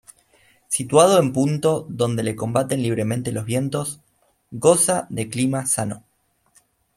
Situado en punto donde le combaten libremente los vientos; goza de clima sano.